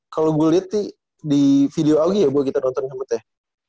kalau gue liat sih di video augie ya bu kita nonton sama teh